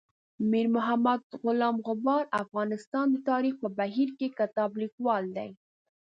میر محمد غلام غبار افغانستان د تاریخ په بهیر کې کتاب لیکوال دی.